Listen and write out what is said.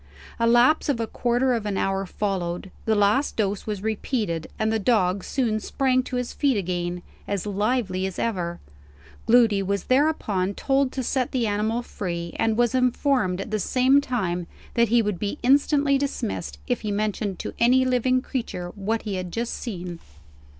A lapse of a quarter of an hour followed; the last dose was repeated; and the dog soon sprang to his feet again, as lively as ever. Gloody was thereupon told to set the animal free; and was informed at the same time that he would be instantly dismissed, if he mentioned to any living creature what he had just seen.